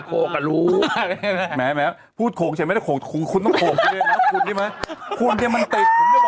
คุณ่มมันติดผมจะบอกให้